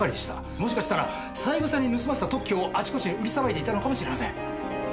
もしかしたら三枝に盗ませた特許をあちこちへ売りさばいていたのかもしれません。